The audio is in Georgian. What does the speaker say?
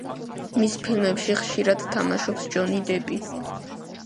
მის ფილმებში ხშირად თამაშობს ჯონი დეპი.